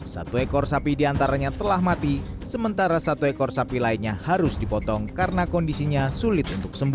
satu ekor sapi diantaranya telah mati sementara satu ekor sapi lainnya harus dipotong karena kondisinya sulit untuk sembuh